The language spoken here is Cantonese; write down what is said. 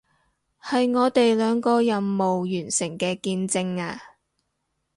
係我哋兩個任務完成嘅見證啊